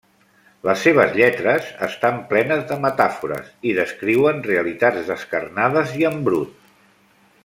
Les seves lletres estan plenes de metàfores i descriuen realitats descarnades i en brut.